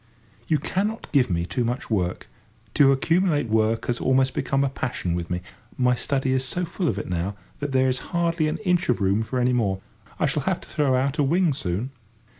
You cannot give me too much work; to accumulate work has almost become a passion with me: my study is so full of it now, that there is hardly an inch of room for any more. I shall have to throw out a wing soon.